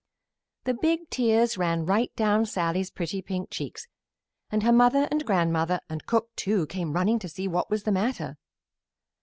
The big tears ran right down Sallie's pretty pink cheeks, and her mother and grandmother, and cook, too, came running to see what was the matter.